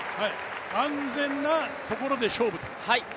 安全なところで勝負と。